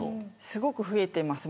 すごく増えています。